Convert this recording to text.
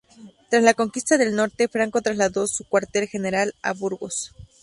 Tras la conquista del norte, Franco trasladó su cuartel general a Burgos.